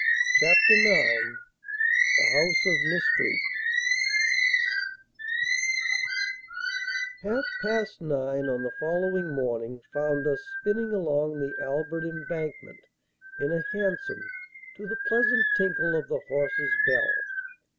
Chapter IX The House of Mystery Half past nine on the following morning found us spinning along the Albert Embankment in a hansom to the pleasant tinkle of the horse's bell.